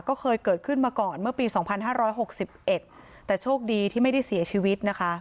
ก็เคยเกิดขึ้นมาก่อนเมื่อปีสองพันห้าร้อยหกสิบเอ็ดแต่โชคดีที่ไม่ได้เสียชีวิตนะคะ